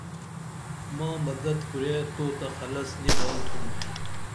ما مدد کُرے تو تہ خلص نی بال تُھم ائی